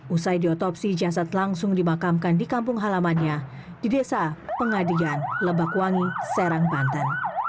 usai diotopsi jasad langsung dimakamkan di kampung halamannya di desa pengadian lebakwangi serang banten